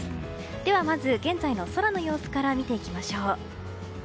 では現在の空の様子から見ていきましょう。